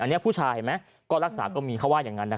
อันนี้ผู้ชายไหมก็รักษาก็มีเขาว่าอย่างนั้นนะครับ